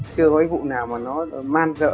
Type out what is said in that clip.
chưa có vụ nào mà nó man dợ